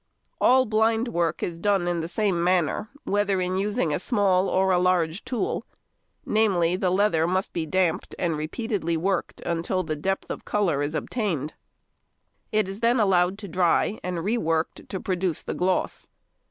All blind work is done in the same manner, whether in using a small or a large tool, viz., the leather must be damped and repeatedly worked until the depth of colour is obtained. It is then allowed to dry, and re worked to produce the gloss.